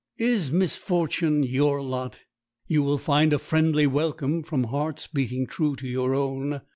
Is misfortune your lot, you will find a friendly welcome from hearts beating true to your own.